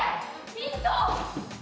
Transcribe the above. ミント！